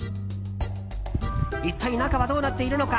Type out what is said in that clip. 一体、中はどうなっているのか。